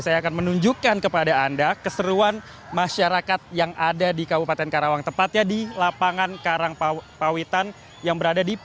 selamat malam fitri